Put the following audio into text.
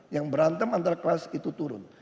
yang berantem antara kelas itu turun